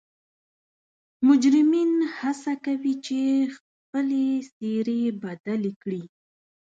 مجرمین حڅه کوي چې خپلې څیرې بدلې کړي